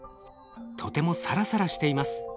とてもサラサラしています。